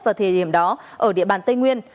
vào thời điểm đó ở địa bàn tây nguyên